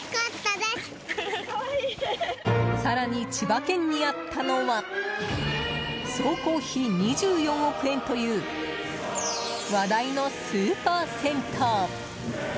更に、千葉県にあったのは総工費２４億円という話題のスーパー銭湯。